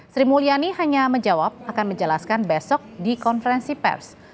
sri mulyani hanya menjawab akan menjelaskan besok di konferensi pers